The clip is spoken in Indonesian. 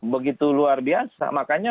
begitu luar biasa makanya